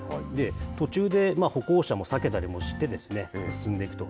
途中で歩行者も避けたりもして進んでいくと。